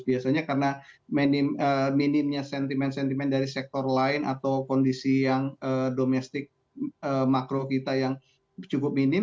biasanya karena minimnya sentimen sentimen dari sektor lain atau kondisi yang domestik makro kita yang cukup minim